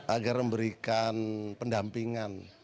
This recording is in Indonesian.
agar memberikan pendampingan